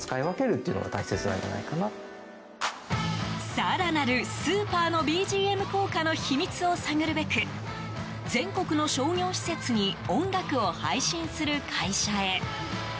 更なるスーパーのＢＧＭ効果の秘密を探るべく全国の商業施設に音楽を配信する会社へ。